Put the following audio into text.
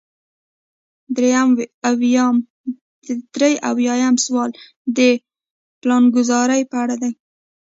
درې اویایم سوال د پلانګذارۍ په اړه دی.